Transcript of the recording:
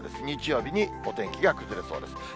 日曜日にお天気が崩れそうです。